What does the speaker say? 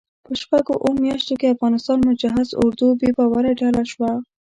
په شپږو اوو میاشتو کې افغانستان مجهز اردو بې باوره ډله شوه.